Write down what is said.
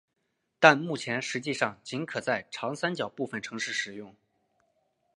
但目前实际上仅可在长三角部分城市使用。